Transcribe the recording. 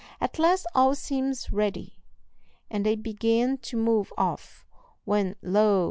At last all seems ready, and they begin to move off, when lo!